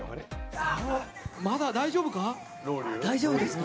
まだ大丈夫か？